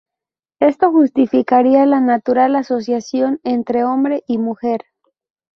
Esto justificaría la natural asociación entre hombre y mujer.